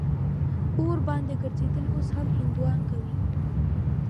اور باندې ګرځېدل اوس هم هندوان کوي.